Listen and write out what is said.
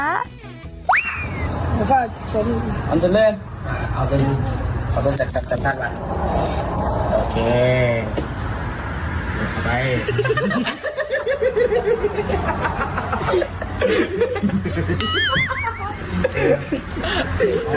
อันเส้นเลือก